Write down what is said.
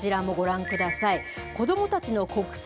こちらもご覧ください。